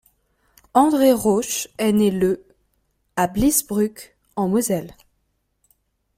André Rausch est né le à Bliesbruck en Moselle.